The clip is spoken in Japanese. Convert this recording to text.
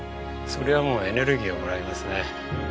それはもうエネルギーをもらえますね。